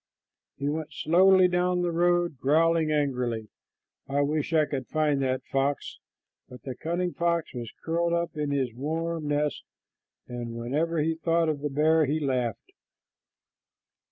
He went slowly down the road, growling angrily, "I wish I could find that fox;" but the cunning fox was curled up in his warm nest, and whenever he thought of the bear he laughed.